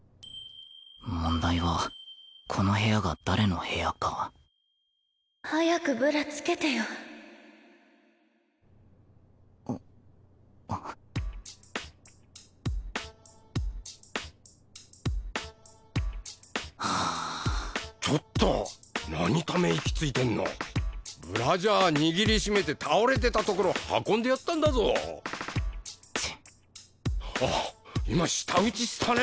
問題はこの部屋が誰の部屋か早くブラつけてよはあちょっと何ため息ついてんのブラジャー握りしめて倒れてたところ運んでやったんだぞチッあっ今舌打ちしたね